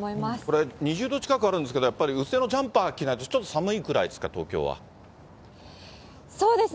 これ、２０度近くあるんですけど、やっぱり薄手のジャンパー着ないとちょっと寒いくらいですか、東そうですね。